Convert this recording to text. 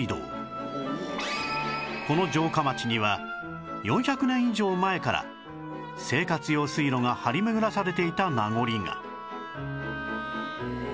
この城下町には４００年以上前から生活用水路が張り巡らされていた名残が